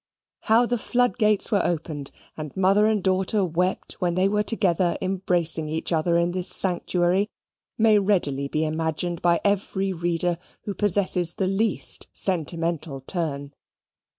How the floodgates were opened, and mother and daughter wept, when they were together embracing each other in this sanctuary, may readily be imagined by every reader who possesses the least sentimental turn.